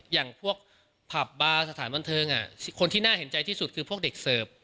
อย่างพวกผับบาร์สถานบันเทิงคนที่น่าเห็นใจที่สุดคือพวกเด็กเสิร์ฟ